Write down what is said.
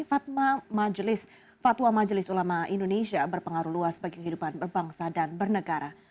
fatwa majelis fatwa majelis ulama indonesia berpengaruh luas bagi kehidupan berbangsa dan bernegara